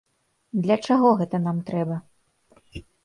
Для чаго гэта нам трэба?